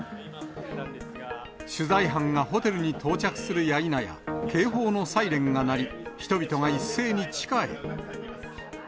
取材班がホテルに到着するや否や、警報のサイレンが鳴り、人々が一斉に地下へ。